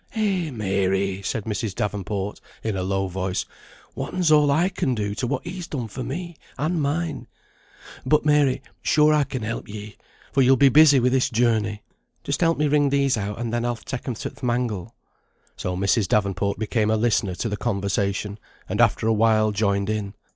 "Eh, Mary!" said Mrs. Davenport, in a low voice. "Whatten's all I can do, to what he's done for me and mine? But, Mary, sure I can help ye, for you'll be busy wi' this journey." "Just help me wring these out, and then I'll take 'em to th' mangle." So Mrs. Davenport became a listener to the conversation; and after a while joined in.